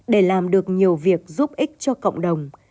để làm được nhiều việc giúp ích cho cộng đồng